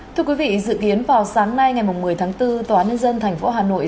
thưa quý vị dự kiến vào sáng nay ngày một mươi tháng bốn tòa nhân dân tp hà nội